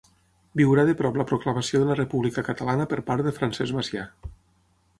Viurà de prop la proclamació de la República Catalana per part de Francesc Macià.